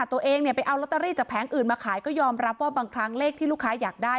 ตัวเองเนี่ยไปเอาลอตเตอรี่จากแผงอื่นมาขายก็ยอมรับว่าบางครั้งเลขที่ลูกค้าอยากได้